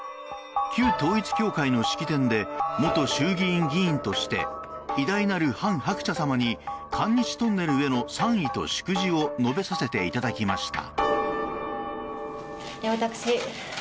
旧統一教会の式典で元衆議院議員として偉大なるハン・ハクチャ様に韓日トンネルへの賛意と祝辞を述べさせていただきました。